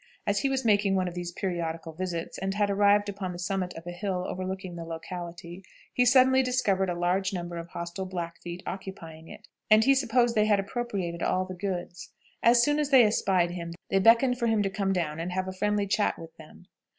As he was making one of these periodical visits, and had arrived upon the summit of a hill overlooking the locality, he suddenly discovered a large number of hostile Blackfeet occupying it, and he supposed they had appropriated all the goods. As soon as they espied him, they beckoned for him to come down and have a friendly chat with them.